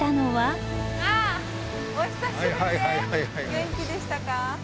元気でしたか？